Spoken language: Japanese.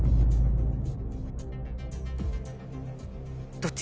どっち？